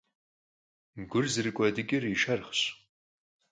Gur zerık'uedıç'ır yi şşerxhş.